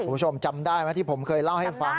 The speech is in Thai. คุณผู้ชมจำได้ไหมที่ผมเคยเล่าให้ฟัง